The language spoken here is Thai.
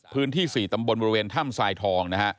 พื้นที่๔ตำบลบริเวณถ้ำทรายทอง